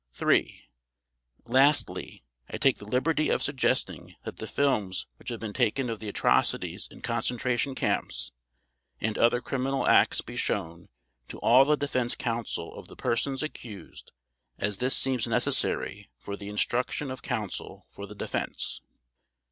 III Lastly I take the liberty of suggesting that the films which have been taken of the atrocities in concentration camps and other criminal acts be shown to all the defense counsel of the persons accused as this seems necessary for the instruction of counsel for the defense.